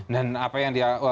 dan apa yang dia